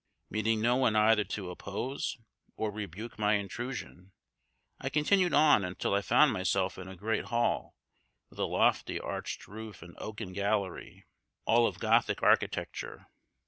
Meeting no one either to oppose or rebuke my intrusion, I continued on until I found myself in a great hall with a lofty arched roof and oaken gallery, all of Gothic architecture.